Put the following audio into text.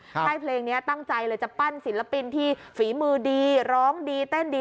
ให้เพลงนี้ตั้งใจเลยจะปั้นศิลปินที่ฝีมือดีร้องดีเต้นดี